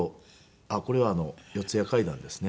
あっこれは『四谷怪談』ですね。